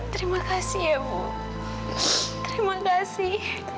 terima kasih ibu terima kasih